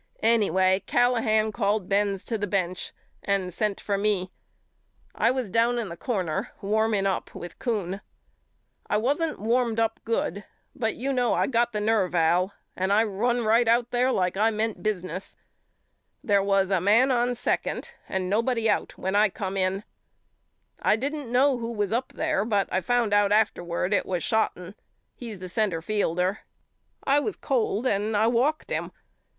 Anyway Callahan called Benz to the bench and sent for me. I was down in the corner wanning up with Kuhn. I wasn't warmed up good but you know I got the nerve Al and I run right out there like I meant business. There was a man on second and nobody out when I come A BUSKER'S LETTERS HOME 35 in. I didn't know who was up there but I found out afterward it was Shotten. He's the center fielder. I was cold and I walked him.